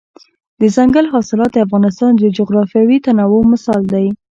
دځنګل حاصلات د افغانستان د جغرافیوي تنوع مثال دی.